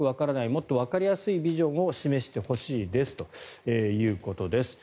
もっとわかりやすいビジョンを示してほしいですということです。